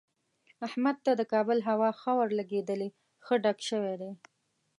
احمد ته د کابل هوا ښه ورلګېدلې، ښه ډک شوی دی.